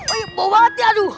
oh iya bau banget ya aduh